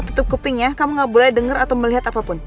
tutup kupingnya kamu gak boleh dengar atau melihat apapun